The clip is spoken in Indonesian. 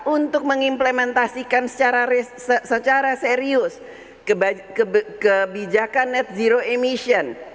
untuk mengimplementasikan secara serius kebijakan net zero emission